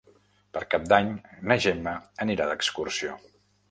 Per Cap d'Any na Gemma anirà d'excursió.